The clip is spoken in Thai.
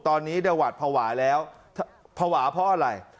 ตอนนี้เนี่ยหวัดภาวะแล้วภาวะเพราะอะไร